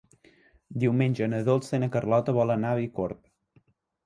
Diumenge na Dolça i na Carlota volen anar a Bicorb.